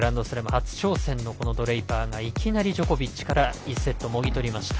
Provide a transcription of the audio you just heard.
初挑戦のドレイパーがいきなりジョコビッチから１セットもぎ取りました。